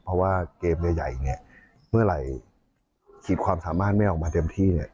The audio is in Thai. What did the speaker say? เพราะว่าเกมใหญ่เนี่ยเมื่อไหร่ขีดความสามารถไม่ออกมาเต็มที่เนี่ย